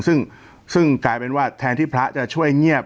ซึ่งกลายเป็นว่าแทนที่พระจะช่วยเงียบ